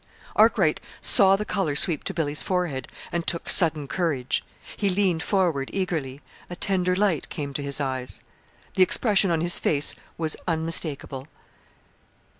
Arkwright saw the color sweep to Billy's forehead, and took sudden courage. He leaned forward eagerly. A tender light came to his eyes. The expression on his face was unmistakable.